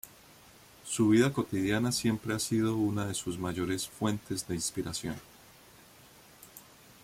Su vida cotidiana siempre ha sido una de sus mayores fuentes de inspiración.